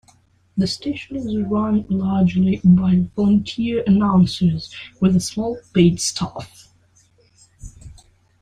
The station is run largely by volunteer announcers, with a small paid staff.